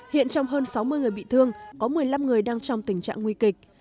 hiện trong hơn sáu mươi người bị thương có một mươi năm người đang trong tình trạng nguy kịch